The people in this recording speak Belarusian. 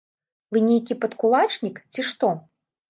Вы нейкі падкулачнік, ці што?!